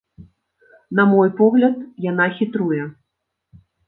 На мой погляд, яна хітруе.